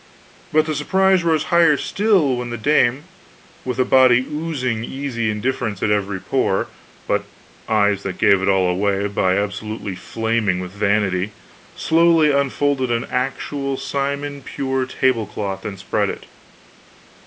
But the surprise rose higher still when the dame, with a body oozing easy indifference at every pore, but eyes that gave it all away by absolutely flaming with vanity, slowly unfolded an actual simon pure tablecloth and spread it.